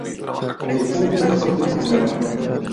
El de julio fue su último número.